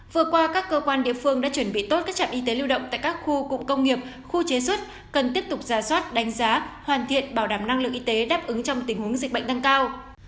vừa qua các cơ quan địa phương đã chuẩn bị tốt các trạm y tế lưu động tại các khu cụm công nghiệp khu chế xuất cần tiếp tục ra soát đánh giá hoàn thiện bảo đảm năng lượng y tế đáp ứng trong tình huống dịch bệnh tăng cao